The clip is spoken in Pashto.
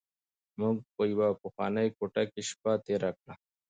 موږ په یوه پخوانۍ کوټه کې شپه تېره کړه.